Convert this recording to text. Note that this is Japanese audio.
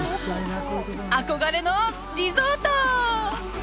憧れのリゾート！